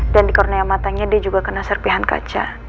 dan dikornaya matanya dia juga kena serpihan kaca